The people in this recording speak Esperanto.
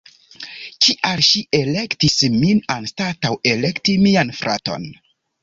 Kial ŝi elektis min anstataŭ elekti mian fraton?